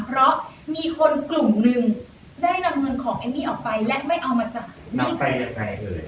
เพราะมีคนกลุ่มหนึ่งได้นำเงินของเอมมี่ออกไปและไม่เอามาจากนี่ไปกับใครเลย